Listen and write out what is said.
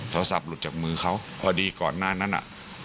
โทรศัพท์หลุดจากมือเขาพอดีก่อนหน้านั้นน่ะ